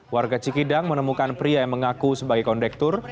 warga cikidang menemukan pria yang mengaku sebagai kondektur